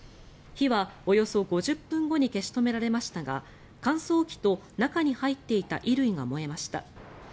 火はおよそ５０分後に消し止められましたが乾燥機と中に入っていた衣類が燃えました。